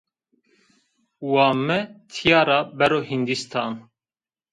Wa mi tîya ra bero Hindîstan